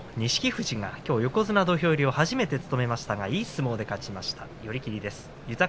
富士がきょう横綱土俵入りを初めて務めましたがいい相撲で勝ちました。